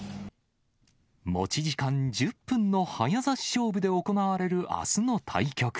持ち時間１０分の早指し勝負で行われるあすの対局。